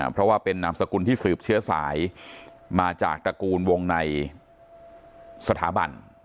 เพราะว่าเป็นนามสกุลที่สืบเชื้อสายมาจากตระกูลวงในสถาบัน